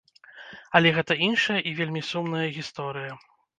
Але гэта іншая і вельмі сумная гісторыя.